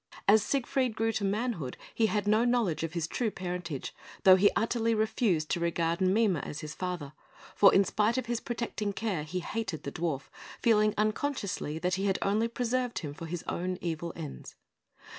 As Siegfried grew to manhood, he had no knowledge of his true parentage, though he utterly refused to regard Mime as his father; for in spite of his protecting care, he hated the dwarf, feeling unconsciously that he had only preserved him for his own evil ends.